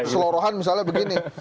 seluruhan misalnya begini